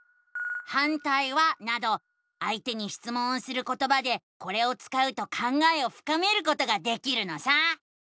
「反対は？」などあいてにしつもんをすることばでこれを使うと考えをふかめることができるのさ！